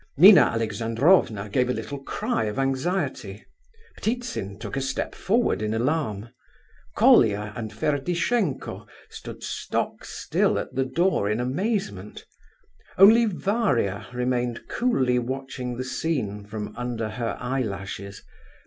Nina Alexandrovna gave a little cry of anxiety; Ptitsin took a step forward in alarm; Colia and Ferdishenko stood stock still at the door in amazement;—only Varia remained coolly watching the scene from under her eyelashes.